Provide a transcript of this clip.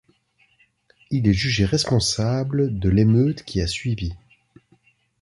Il est jugé responsable de l’émeute qui a suivi.